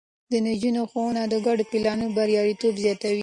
د نجونو ښوونه د ګډو پلانونو برياليتوب زياتوي.